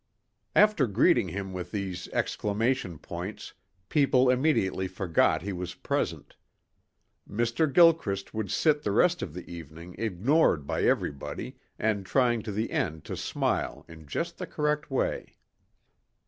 After greeting him with these exclamation points, people immediately forgot he was present. Mr. Gilchrist would sit the rest of the evening ignored by everybody and trying to the end to smile in just the correct way.